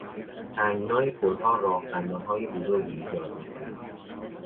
تنگنای پلها راه بندانهای بزرگی ایجاد میکند.